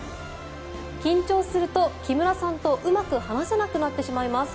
緊張すると、木村さんとうまく話せなくなってしまいます